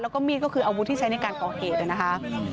แล้วก็มีดก็คืออาวุธที่ใช้ในการก่อเหตุนะคะ